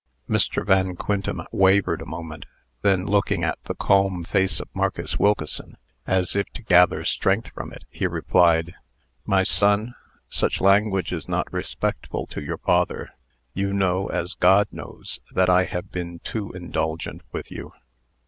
Mr. Van Quintem wavered a moment. Then, looking at the calm face of Marcus Wilkeson, as if to gather strength from it, he replied: "My son, such language is not respectful to your father. You know, as God knows, that I have been too indulgent with you."